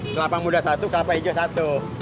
kelapa muda satu kelapa hijau satu